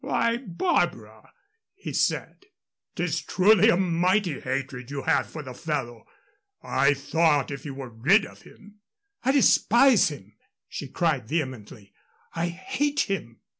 "Why, Barbara," he said, "'tis truly a mighty hatred you have for the fellow! I thought if you were rid of him " "I despise him!" she cried, vehemently. "I hate him!"